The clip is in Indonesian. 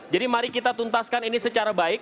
jadi mari kita tuntaskan ini secara baik